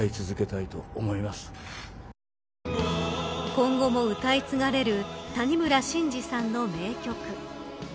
今後も歌い継がれる谷村新司さんの名曲。